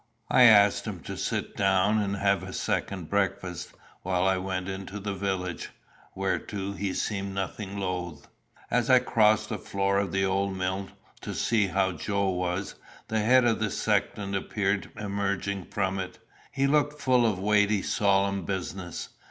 I asked him to sit down and have a second breakfast while I went into the village, whereto he seemed nothing loth. As I crossed the floor of the old mill to see how Joe was, the head of the sexton appeared emerging from it. He looked full of weighty solemn business.